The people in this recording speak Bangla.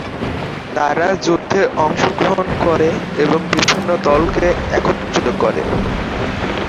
তারা যুদ্ধে অংশগ্রহণ করে এবং বিভিন্ন দলকে একত্রিত করে।